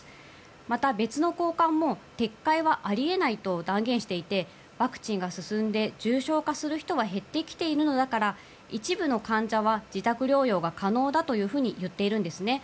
また、別の高官も撤回はありえないと断言していて、ワクチンが進んで重症化する人は減ってきているのだから一部の患者は自宅療養が可能だというふうに言っているんですね。